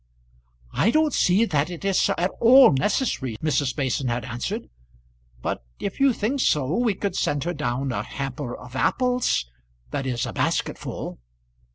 "I don't see that it is at all necessary," Mrs. Mason had answered; "but if you think so, we could send her down a hamper of apples, that is, a basketful."